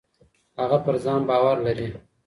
هغه پر ځان باور لري.